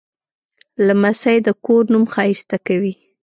لمسی د کور نوم ښایسته کوي.